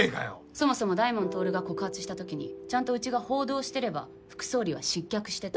そもそも大門亨が告発したときにちゃんとうちが報道してれば副総理は失脚してた。